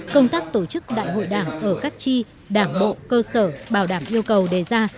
công tác tổ chức đại hội đảng ở các chi đảng bộ cơ sở bảo đảm yêu cầu đề ra